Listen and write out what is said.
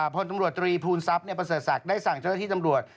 พลตำรวจตรีภูมิทรัพย์ประเสริฐศักดิ์ได้สั่งเจ้าหน้าที่ตำรวจ